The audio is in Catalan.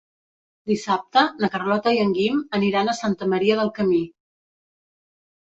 Dissabte na Carlota i en Guim aniran a Santa Maria del Camí.